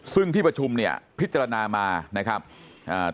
ซึ่งที่ประชุมเนี่ยพิจารณามานะครับอ่า